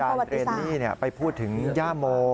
อาจารย์เรนนี่นี่ไปพูดถึงย่าโม